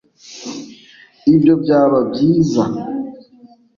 ibyo byaba byiza